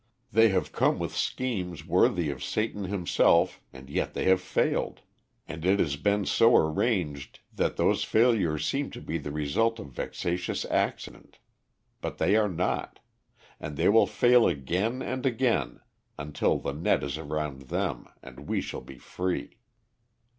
They have come with schemes worthy of Satan himself and yet they have failed. And it has been so arranged that those failures seem to be the result of vexatious accident. But they are not. And they will fail again and again until the net is around them and we shall be free.